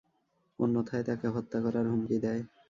অন্যথায় তাকে হত্যা করার হুমকি দেয়।